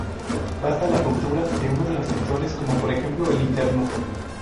Basta la ruptura de uno los tensores, como por ejemplo el interno.